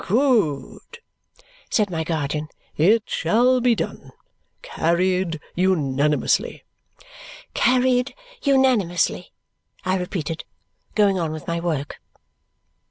"Good," said my guardian. "It shall be done. Carried unanimously." "Carried unanimously," I repeated, going on with my work.